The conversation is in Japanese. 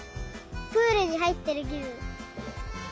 プールにはいってるきぶん。